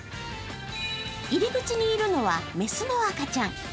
入り口にいるのは、雌の赤ちゃん。